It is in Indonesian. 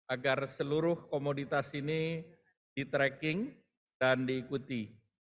agar seluruh komoditas ini di tracking dan diikuti